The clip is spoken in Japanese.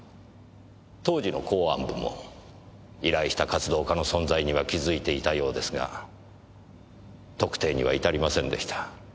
当時の公安部も依頼した活動家の存在には気づいていたようですが特定には至りませんでした。